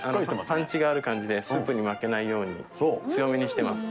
パンチがある感じでスープに負けないように強めにしてます。